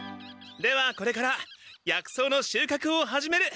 ではこれから薬草のしゅうかくを始める。